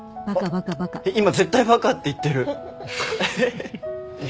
今絶対バカって言ってる！